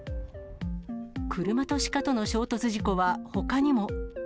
車と鹿との衝突事故はほかにも。